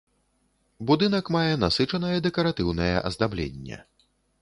Будынак мае насычанае дэкаратыўнае аздабленне.